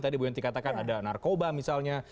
tadi bu yanti katakan ada narkoba misalnya